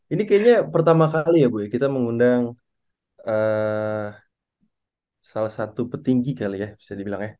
ini kayaknya pertama kali ya bu ya kita mengundang salah satu petinggi kali ya bisa dibilang ya